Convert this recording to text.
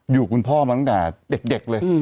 อยู่คุณพ่อมาตั้งแต่เด็กเลย